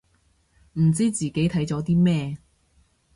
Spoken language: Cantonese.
唔知自己睇咗啲咩